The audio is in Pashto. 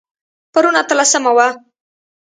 پرون اتلسمه وه